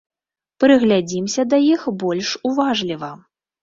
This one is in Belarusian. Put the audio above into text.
Прыглядзімся да іх больш уважліва.